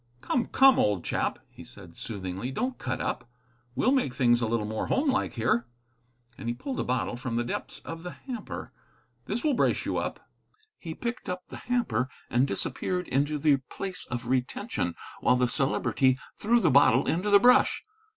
"Come, come, old chap!" he said soothingly, "don't cut up. We'll make things a little more homelike here." And he pulled a bottle from the depths of the hamper. "This will brace you up." He picked up the hamper and disappeared into the place of retention, while the Celebrity threw the bottle into the brush.